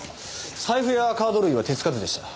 財布やカード類は手つかずでした。